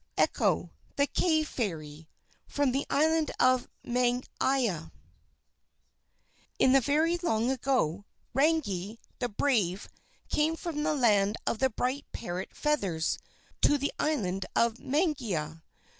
ECHO, THE CAVE FAIRY From the Island of Mangaia In the very long ago, Rangi the Brave came from the Land of the Bright Parrot Feathers to the Island of Mangaia.